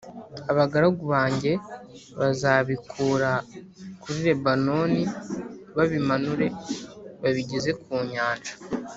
Abagaragu banjye bazabikura kuri Lebanoni babimanure babigeze ku Nyanja